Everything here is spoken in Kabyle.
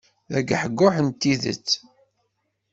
D agehguh n tidet.